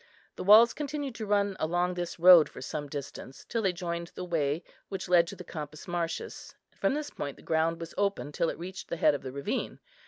The walls continued to run along this road for some distance, till they joined the way which led to the Campus Martius, and from this point the ground was open till it reached the head of the ravine.